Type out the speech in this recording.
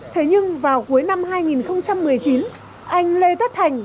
thế nhưng vào cuối năm hai nghìn một mươi chín anh lê tất thành